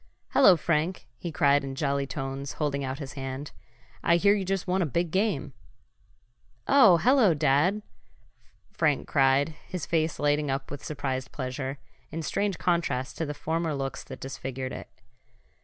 "Hello, Frank!" he cried in jolly tones, holding out his hand. "I hear you just won a big game." "Oh, hello, Dad!" Frank cried, his face lighting up with surprised pleasure, in strange contrast to the former looks that disfigured it.